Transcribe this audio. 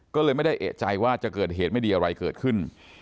ก็เลยไม่ได้เอกใจว่าจะเกิดเหตุไม่ดีอะไรเกิดขึ้น